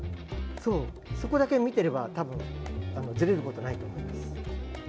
そう、そこだけ見ていればたぶんずれることないと思います。